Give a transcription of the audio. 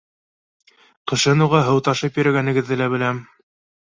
Ҡышын уға һыу ташып йөрөгәнегеҙҙе лә беләм.